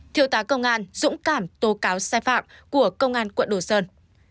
thiếu tá công an dũng cảm tố cáo sai phạm của công an quận đồ sơn